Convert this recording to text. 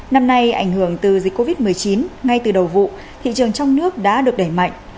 năm nay ảnh hưởng từ dịch covid một mươi chín ngay từ đầu vụ thị trường trong nước đã được đẩy mạnh